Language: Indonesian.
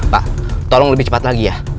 pak tolong lebih cepat lagi ya